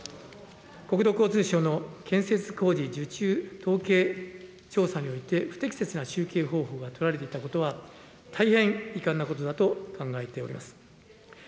国土交通省の建設工事受注統計調査において、不適切な集計方法が採られていたことは、大変遺憾なことだと考えております。